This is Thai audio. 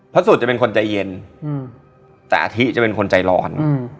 สุดจะเป็นคนใจเย็นแต่อาทิตจะเป็นคนใจร้อน